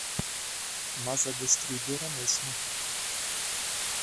Mas é destruidora mesmo